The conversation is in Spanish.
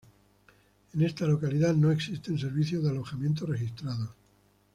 En esta localidad no existen servicios de alojamiento registrados.